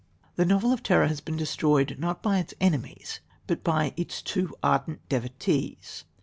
The novel of terror has been destroyed not by its enemies but by its too ardent devotees.